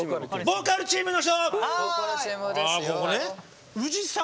ボーカルチームですよ。